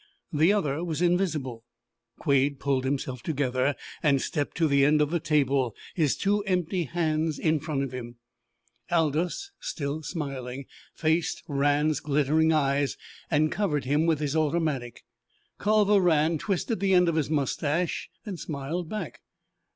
The other was invisible. Quade pulled himself together and stepped to the end of the table, his two empty hands in front of him. Aldous, still smiling, faced Rann's glittering eyes and covered him with his automatic. Culver Rann twisted the end of his moustache, and smiled back.